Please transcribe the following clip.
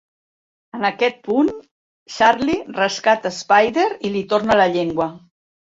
En aquest punt, Charlie rescata Spider i li torna la llengua.